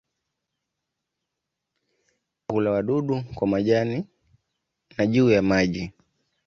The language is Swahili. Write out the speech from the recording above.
Sile-maua hula wadudu kwa majani na juu ya maji.